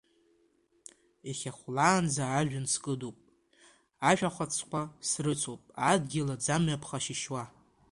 Иахьа хәлаанӡа ажәҩан скыдуп, ашәахәацқәа срыцуп адгьыл аӡамҩа ԥха шьышьуа.